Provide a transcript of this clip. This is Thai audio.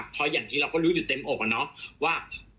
เพราะอย่างที่เราก็รู้อยู่เต็มอกอะเนาะว่า